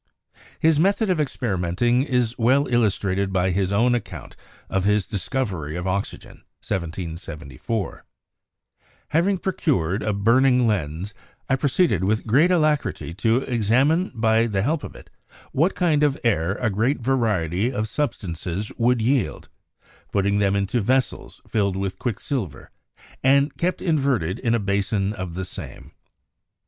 His method of experimenting is well illustrated by his own account of his discovery of oxygen (1774) : "Having procured a (burning) lens, I proceeded with great alacrity to examine, by the help of it, what kind of air a great variety of substances would yield, putting them into ves sels filled with quicksilver, and kept inverted in a basin of the same.